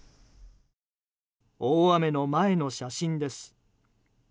大雨の前の写真です。